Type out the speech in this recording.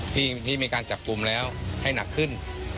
ที่มีการจับกลุ่มแล้วให้หนักขึ้น